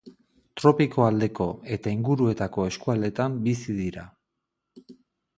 Tropiko aldeko eta inguruetako eskualdeetan bizi dira.